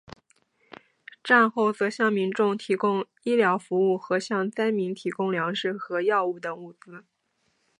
战后则向民众提供医疗服务和向灾民提供粮食和药物等物资。